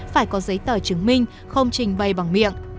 phải có giấy tờ chứng minh không trình bày bằng miệng